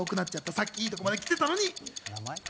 さっき、いいところ来てたのに。